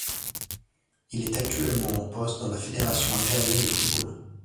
Il est actuellement en poste dans la Fédération algérienne de football.